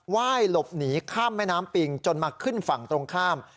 ว่ายหลบหนีข้ามแม่น้ำปิงจนมาขึ้นฝั่งตรงข้าม